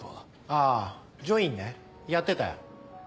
あぁ『ジョイン』ねやってたよ。